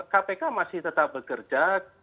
kpk masih tetap bekerja